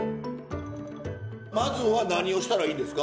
まずは何をしたらいいんですか？